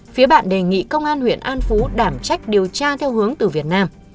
phía bạn đề nghị công an huyện an phú đảm trách điều tra theo hướng từ việt nam